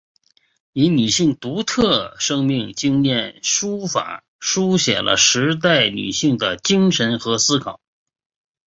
以女性的独特生命经验书法抒写了时代女性的精神和思考。